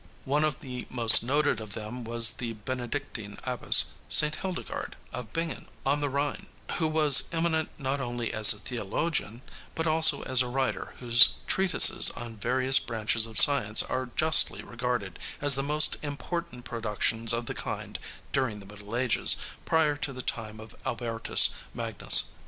One of the most noted of them was the Benedictine abbess, St. Hildegard, of Bingen on the Rhine, who was eminent not only as a theologian but also as a writer whose treatises on various branches of science are justly regarded as the most important productions of the kind during the Middle Ages prior to the time of Albertus Magnus.